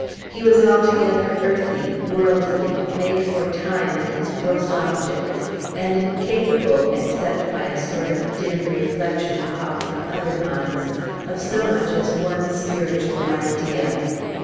He was altogether earthy, worldly, made for time and its gross objects, and incapable except by a sort of dim reflection caught from other minds of so much as one spiritual idea.